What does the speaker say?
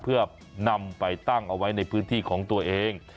เพื่อนำไปตั้งเอาไว้ในพื้นที่ของตัวเอง